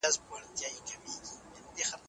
افغان هلکان بهر ته د سفر ازادي نه لري.